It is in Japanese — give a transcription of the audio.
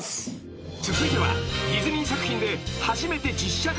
［続いてはディズニー作品で］